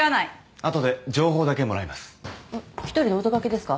あとで情報だけもらいます１人でお出かけですか？